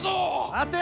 待て！